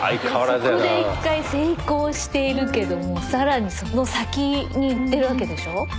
そこで一回成功しているけどもさらにその先にいってるわけでしょ？